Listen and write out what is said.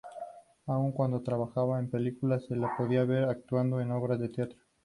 Aun cuando trabajaba en películas, se la podía ver actuando en obras de teatro.